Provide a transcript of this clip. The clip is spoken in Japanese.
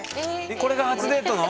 これが初デートの？